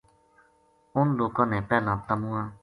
انھ نے پہلاں تمواں